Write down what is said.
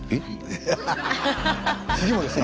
次もですか？